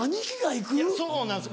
いやそうなんです。